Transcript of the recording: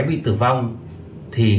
bị tử vong thì